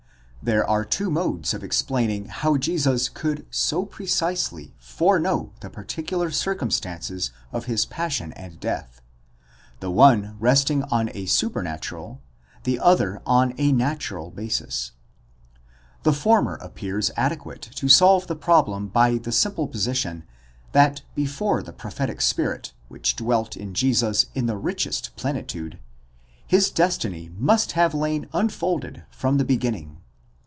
There are two modes of explaining how Jesus could so precisely foreknow the particular circumstances of his passion and death; the one resting on a: supernatural, the other on a natural basis. The former appears adequate to solve the problem by the simple position, that before the prophetic spirit, which: dwelt in Jesus in the richest plenitude, his destiny must have lain unfolded: from the beginning.